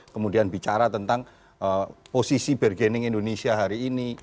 kemudian bicara tentang posisi bergening indonesia hari ini